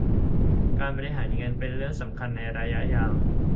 การบริหารการเงินเป็นเรื่องสำคัญในระยะยาว